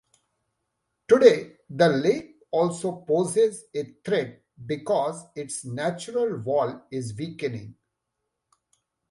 Today, the lake also poses a threat because its natural wall is weakening.